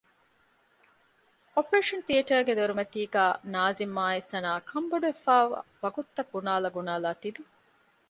އޮޕަރޭޝަން ތިއޭޓަރގެ ދޮރުމަތީގައި ނާޒިމްއާއި ސަނާ ކަންބޮޑުވެފައި ވަގުތުތައް ގުނާލަ ގުނާލާ ތިވި